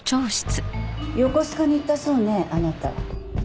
横須賀に行ったそうねあなた。